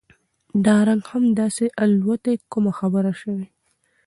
دا رنګ د هم داسې الوتى کومه خبره شوې؟